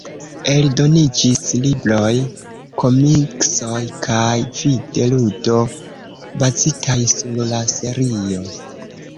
Eldoniĝis libroj, komiksoj, kaj vide-ludo bazitaj sur la serio.